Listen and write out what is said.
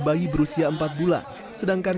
bayi berusia empat bulan sedangkan